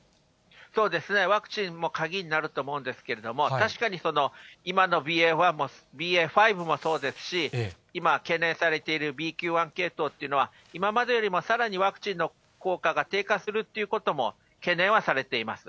そうですね、ワクチンも鍵になると思うんですけれども、確かに、今のＢＡ．１もＢＡ．５もそうですし、今懸念されているＢＱ．１系統というのは、今までよりもさらにワクチンの効果が低下するということも懸念はされています。